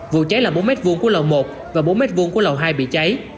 vụ cháy là bốn m hai của lầu một và bốn m hai của lầu hai bị cháy